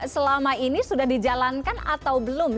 selama ini sudah dijalankan atau belum